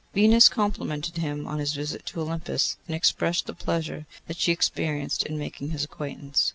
Venus complimented him on his visit to Olympus, and expressed the pleasure that she experienced in making his acquaintance.